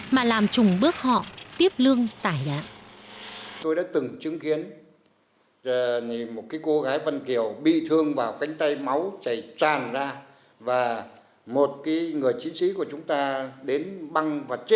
mà làm chùng bước họ tiếp lương tải đạn